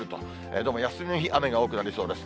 どうも休みの日、雨が多くなりそうです。